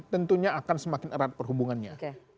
tentunya akan semakin erat perhubungannya